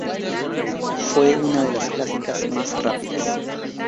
Fue una de las clásicas más rápidas.